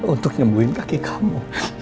untuk nyebuin kaki kamu